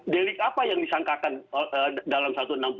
delik apa yang disangkakan dalam satu ratus enam puluh